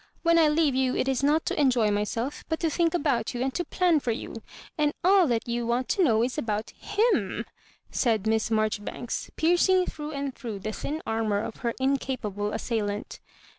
When I leave you it is not to enjoy myself, but to think about you and to plan for you; and all that you want to know is about him !" said Miss Marjori banks, piercing through and through the thin ar mour of her incapable assailant.